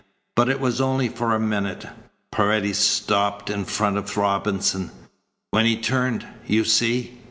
"But it was only for a minute." Paredes stopped in front of Robinson. "When he turned! You see!"